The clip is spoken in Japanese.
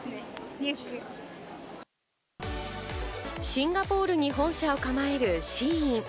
シンガポールに本社を構えるＳＨＥＩＮ。